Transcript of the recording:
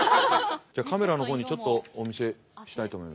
じゃあカメラの方にちょっとお見せしたいと思います。